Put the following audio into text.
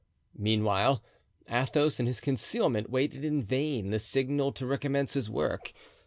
Meanwhile, Athos, in his concealment, waited in vain the signal to recommence his work.